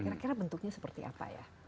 kira kira bentuknya seperti apa ya